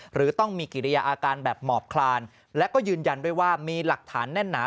หรือต้องมีกิริยาอาการแบบหมอบคลานและก็ยืนยันด้วยว่ามีหลักฐานแน่นหนา